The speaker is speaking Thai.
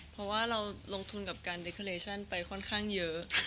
เพราะว่าเราลงทุนกับการดิเคอเลชั่นไปค่อนข้างเยอะ